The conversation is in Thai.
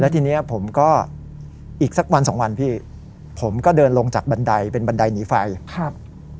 ทีเนี้ยผมก็อีกสักวันสองวันพี่ผมก็เดินลงจากบันไดเป็นบันไดหนีไฟครับ